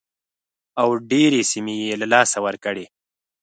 او ډېرې سیمې یې له لاسه ورکړې.